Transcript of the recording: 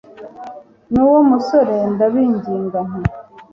n uwo musore ndabinginga nti